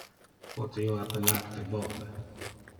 Pote io appellar te Bob?